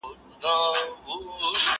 زه اوس د ښوونځی لپاره امادګي نيسم؟